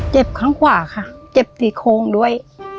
ข้างขวาค่ะเจ็บสี่โค้งด้วย